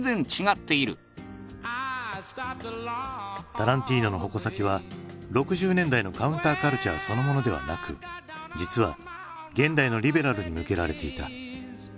タランティーノの矛先は６０年代のカウンターカルチャーそのものではなく実は現代のリベラルに向けられていた。